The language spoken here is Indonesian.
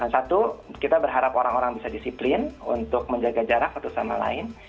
satu kita berharap orang orang bisa disiplin untuk menjaga jarak satu sama lain